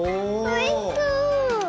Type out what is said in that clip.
おいしそう！